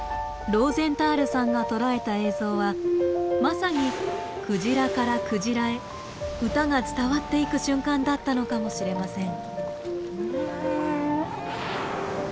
ローゼンタールさんが捉えた映像はまさにクジラからクジラへ歌が伝わっていく瞬間だったのかもしれません。